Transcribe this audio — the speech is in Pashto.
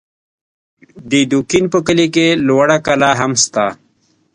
د دوکین په کلي کې لوړه کلا هم سته